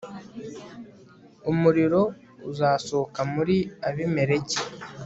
umuriro uzasohoka muri abimeleki